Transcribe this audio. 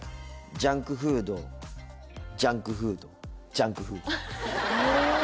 ジャンクフードジャンクフードジャンクフードえ！